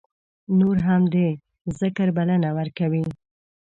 نور هم د ذکر بلنه ورکوي.